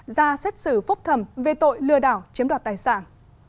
ra xét xử phúc thẩm về tội lừa đảo chiếm đoạt tài sản